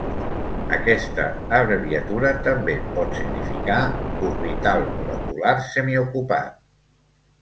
Aquesta abreviatura també pot significar "orbital molecular semiocupat".